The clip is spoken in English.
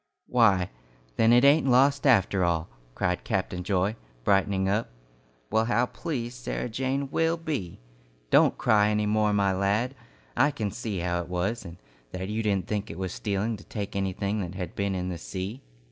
"Why, then it ain't lost after all," cried Captain Joy, brightening up. "Well, how pleased Sarah Jane will be! Don't cry any more, my lad. I can see how it was, and that you didn't think it was stealing to take anything that had been in the sea."